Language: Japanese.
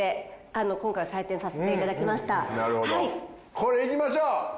これいきましょう。